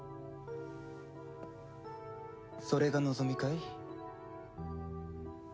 それが望みかい？